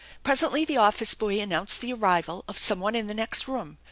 Presently the office boy an nounced the arrival of some one in the next room.